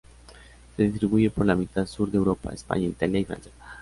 Se distribuye por la mitad sur de Europa: España, Italia y Francia.